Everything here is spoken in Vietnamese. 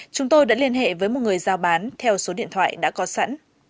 chúng tôi đã liên hệ với một người giao bán theo số điện thoại đã có sẵn